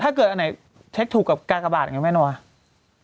ถ้าเกิดอีกอย่างไหนเซคถูกกับกากบาทอีกหรือไม่น้อย